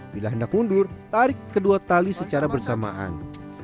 bila hendak mundur tarik kedua tali secara bersamaan